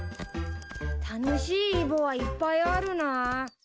楽しいイボはいっぱいあるな。